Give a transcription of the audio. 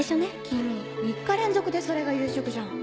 君３日連続でそれが夕食じゃん。